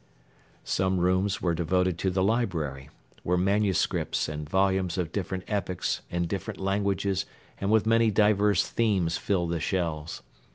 Some rooms were devoted to the library, where manuscripts and volumes of different epochs in different languages and with many diverse themes fill the shelves.